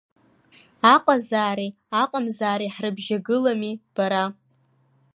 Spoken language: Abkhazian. Аҟазаареи аҟамзаареи ҳрыбжьагылами, бара!